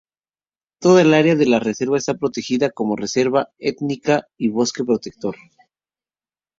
Toda el área de la Reserva está protegida como Reserva Étnica y Bosque Protector.